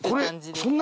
そんな。